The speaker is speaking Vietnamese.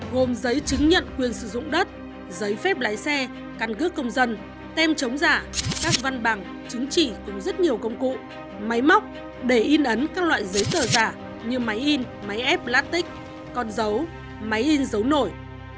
gồm giấy chứng nhận quyền sử dụng đất giấy phép lái xe căn cước công dân tem chống giả các văn bằng chứng chỉ cùng rất nhiều công cụ máy móc để in ấn các loại giấy tờ giả như máy in máy ép platic con dấu máy in dấu nổi